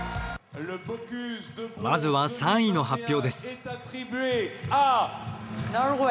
まずは３位の発表です。